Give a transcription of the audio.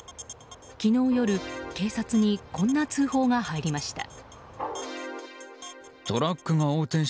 昨日夜、警察にこんな通報が入りました。